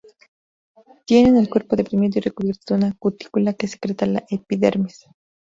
Tienen el cuerpo deprimido y recubierto de una cutícula que secreta la epidermis.